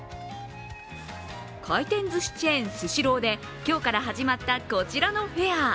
回転ずしチェーン、スシローで今日から始まったこちらのフェア。